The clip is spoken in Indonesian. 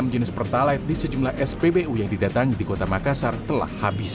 enam jenis pertalite di sejumlah spbu yang didatangi di kota makassar telah habis